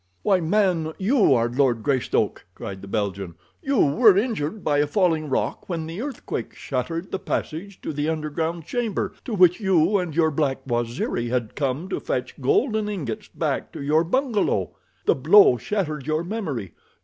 "Why man, you are Lord Greystoke," cried the Belgian. "You were injured by a falling rock when the earthquake shattered the passage to the underground chamber to which you and your black Waziri had come to fetch golden ingots back to your bungalow. The blow shattered your memory.